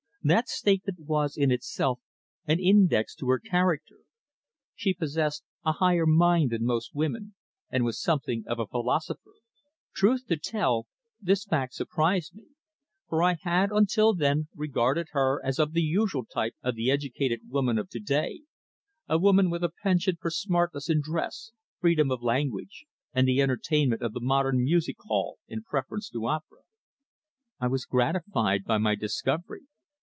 That statement was, in itself, an index to her character. She possessed a higher mind than most women, and was something of a philosopher. Truth to tell, this fact surprised me, for I had until then regarded her as of the usual type of the educated woman of to day, a woman with a penchant for smartness in dress, freedom of language, and the entertainment of the modern music hall in preference to opera. I was gratified by my discovery.